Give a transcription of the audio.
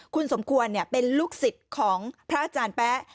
คุณสมควรเป็นลูกศิษย์ของพระอาจารย์แป๊ะ